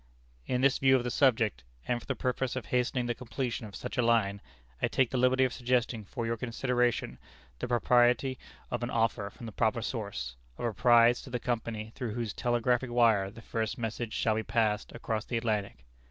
"In this view of the subject, and for the purpose of hastening the completion of such a line, I take the liberty of suggesting for your consideration the propriety of an offer from the proper source, of a prize to the company through whose telegraphic wire the first message shall be passed across the Atlantic.